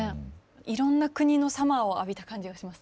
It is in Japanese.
いろんな国のサマーを浴びた感じがします。